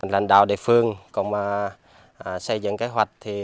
lành đạo địa phương xây dựng kế hoạch